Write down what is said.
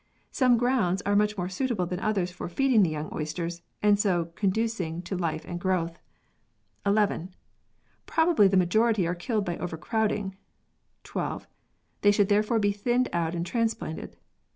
Some grounds are much more suitable than others for feeding the young oysters, and so conducing to life and growth. 11. Probably the majority are killed by overcrowding. 12. They should therefore be thinned out and transplanted.